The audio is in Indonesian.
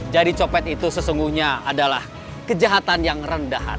jadi copet itu sesungguhnya adalah kejahatan yang rendahat